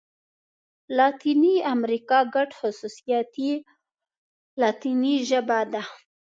لاتیني امريکا ګډ خوصوصیات یې لاتيني ژبه ده.